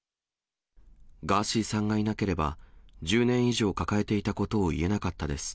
ガーシーさんがいなければ、１０年以上、抱えていたことを言えなかったです。